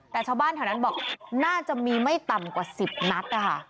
แต่ชาวบ้านแถวนั้นบอกน่าจะมีไม่ต่ำกว่า๑๐นัดนะคะ